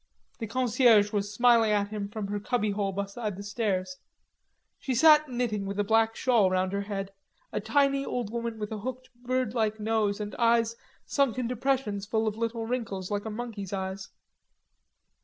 The concierge was smiling at him from her cubbyhole beside the stairs. She sat knitting with a black shawl round her head, a tiny old woman with a hooked bird like nose and eyes sunk in depressions full of little wrinkles, like a monkey's eyes.